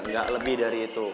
gak lebih dari itu